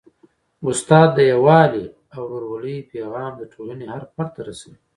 استاد د یووالي او ورورولۍ پیغام د ټولني هر فرد ته رسوي.